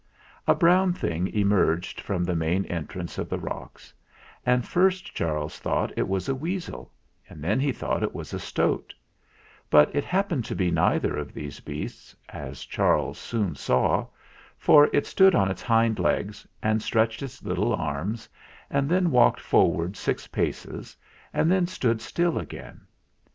A brown thing emerged from the main en trance of the rocks, and first Charles thought it was a weasel, and then he thought it was a stoat; but it happened to be neither of these beasts, as Charles soon saw, for it stood on its hind legs and stretched its little arms, and then walked forward six paces and then stood still again.